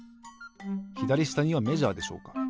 ひだりしたにはメジャーでしょうか？